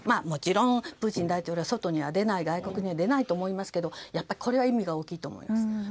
もちろんプーチン大統領は外には出ない外国には出ないと思いますがこれは意味が大きいと思います。